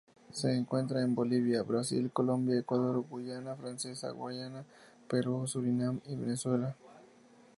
Se encuentra en Bolivia, Brasil, Colombia, Ecuador, Guayana Francesa, Guayana, Perú, Surinam y Venezuela.